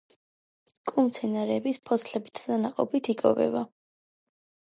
კუ მცენარეების ფოთლებითა და ნაყოფით იკვებება